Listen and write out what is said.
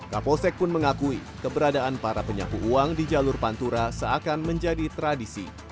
kapolsek pun mengakui keberadaan para penyapu uang di jalur pantura seakan menjadi tradisi